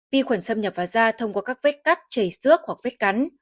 vi khuẩn xâm nhập vào da thông qua các vết cắt chảy xước hoặc vết cắn